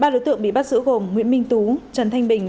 ba đối tượng bị bắt giữ gồm nguyễn minh tú trần thanh bình